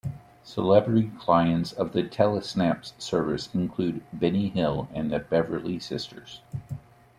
Celebrity clients of the tele-snaps service included Benny Hill and the Beverley Sisters.